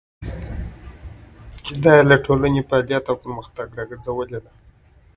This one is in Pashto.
چې دا يې له ټولنيز فعاليت او پرمختګه راګرځولې ده.